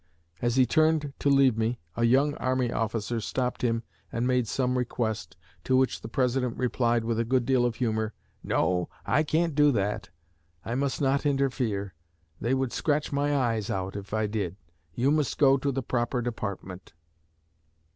As he turned to leave me, a young army officer stopped him and made some request, to which the President replied with a good deal of humor, 'No, I can't do that; I must not interfere; they would scratch my eyes out if I did. You must go to the proper department.'